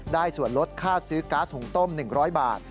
ส่วนลดค่าซื้อก๊าซหุงต้ม๑๐๐บาท